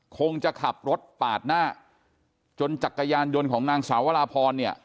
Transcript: คงจะขับรถปาดหน้าจนจักรยานยนต์ของนางสาววราพรเนี่ย